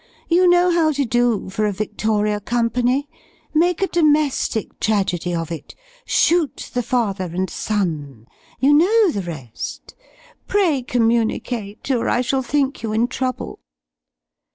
you know how to do for a 'Victoria' company! make a domestic tragedy of it shoot the father and son! you know the rest. Pray communicate, or I shall think you in trouble.